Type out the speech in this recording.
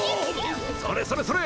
それそれそれ！